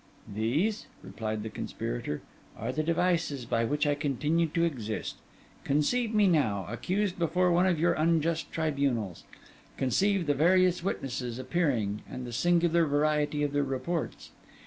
'These,' replied the conspirator, 'are the devices by which I continue to exist. Conceive me now, accused before one of your unjust tribunals; conceive the various witnesses appearing, and the singular variety of their reports!